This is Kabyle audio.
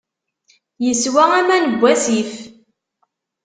Yeswa aman n wasif.